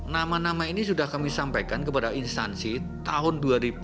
nama nama ini sudah kami sampaikan kepada instansi tahun dua ribu dua puluh